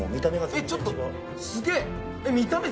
えっちょっとすげぇ。